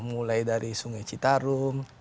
mulai dari sungai citarum